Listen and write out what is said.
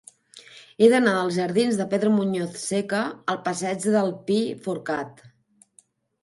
He d'anar dels jardins de Pedro Muñoz Seca al passeig del Pi Forcat.